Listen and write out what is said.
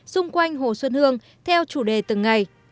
xung quanh hồ xuân hương theo chủ đề từng ngày